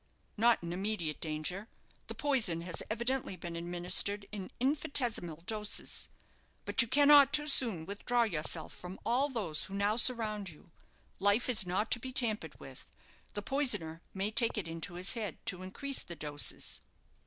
"Not in immediate danger. The poison has evidently been administered in infinitesimal doses. But you cannot too soon withdraw yourself from all those who now surround you. Life is not to be tampered with. The poisoner may take it into his head to increase the doses."